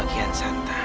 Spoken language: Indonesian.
ke bagian santan